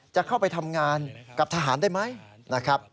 จะเข้าไปทำงานกับทหารได้ไหมนะครับ